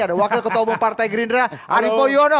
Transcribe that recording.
ada wakil ketua umum partai gerindra arief poyono